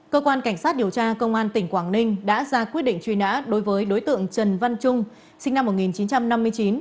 cơ quan cảnh sát điều tra công an tỉnh quảng ninh đã ra quyết định truy nã đối với đối tượng trần văn trung sinh năm một nghìn chín trăm năm mươi chín